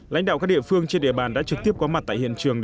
lãnh đạo các cấp trên địa bàn đà nẵng đã khẩn truyền